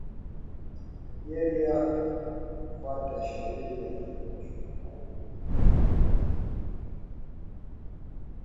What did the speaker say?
Nigeria yaniyofuata sharia yanaonyeshwa na rangi ya kijani